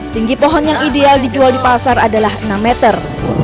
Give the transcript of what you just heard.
tinggi pohon yang ideal dijual di pasar adalah enam meter